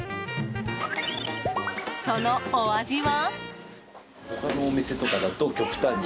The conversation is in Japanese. そのお味は。